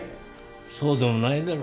そうでもないだろ。